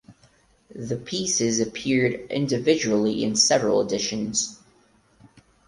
The pieces appeared individually in several editions.